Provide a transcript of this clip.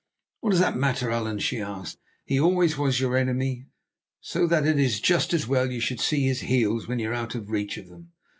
"What does that matter, Allan?" she asked. "He always was your enemy, so that it is just as well you should see his heels when you are out of reach of them.